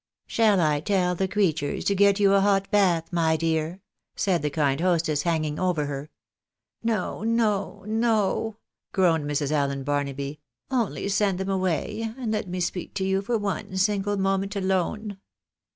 " ShaE I tell the creturs to get you a hot bath, my dear ?" said the kind hostess, hanging over her. " No, no, no," groaned Mrs. AUen Barnaby, " only send them away, and let me speak to you for one single moment alone."